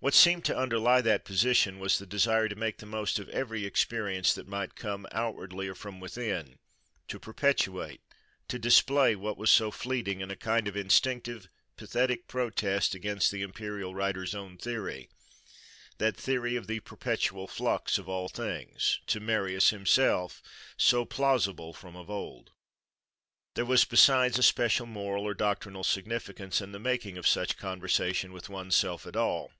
What seemed to underlie that position was the desire to make the most of every experience that might come, outwardly or from within: to perpetuate, to display, what was so fleeting, in a kind of instinctive, pathetic protest against the imperial writer's own theory—that theory of the "perpetual flux" of all things—to Marius himself, so plausible from of old. There was, besides, a special moral or doctrinal significance in the making of such conversation with one's self at all.